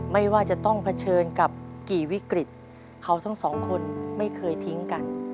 ไม่ว่าจะต้องเผชิญกับกี่วิกฤตเขาทั้งสองคนไม่เคยทิ้งกัน